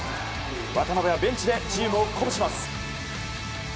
渡邊はベンチでチームを鼓舞します。